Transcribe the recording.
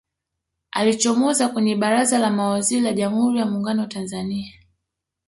alichomoza kwenye baraza la mawaziri la jamhuri ya muungano wa tanzania